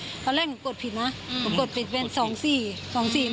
มากำลังกดผิดเป็น๒๔๒๔ได้รู้ใช่ไม่ละ